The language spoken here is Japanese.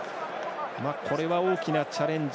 これは、大きなチャレンジ。